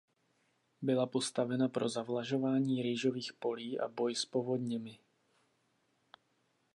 Byla postavena pro zavlažování rýžových polí a boj s povodněmi.